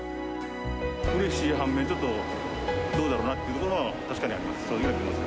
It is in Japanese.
うれしい反面、ちょっと、どうだろうなっていう部分は確かにあります。